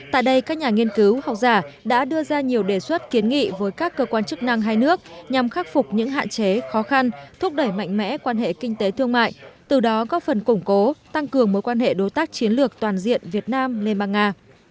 tại đây các nhà nghiên cứu học giả đã đưa ra nhiều đề xuất kiến nghị với các cơ quan chức năng hai nước nhằm khắc phục những hạn chế khó khăn thúc đẩy mạnh mẽ quan hệ kinh tế thương mại từ đó góp phần củng cố tăng cường mối quan hệ đối tác chiến lược toàn diện việt nam liên bang nga